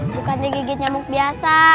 bukan digigit nyamuk biasa